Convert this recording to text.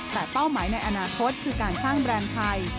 แต่เป้าหมายในอนาคตคือการสร้างแบรนด์ไทย